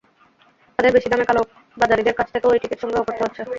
তাঁদের বেশি দামে কালোবাজারিদের কাছ থেকে ওই টিকিট সংগ্রহ করতে হচ্ছে।